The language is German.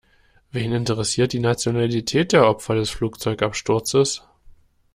Wen interessiert die Nationalität der Opfer des Flugzeugabsturzes?